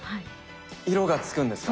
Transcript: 色がつくんですか？